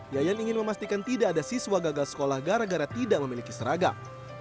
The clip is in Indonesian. yayan ingin memastikan tidak ada siswa gagal sekolah gara gara tidak memiliki seragam